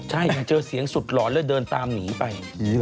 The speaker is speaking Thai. ใช่เจอเสียงสุดหลอนเลยเดินตามหนีไป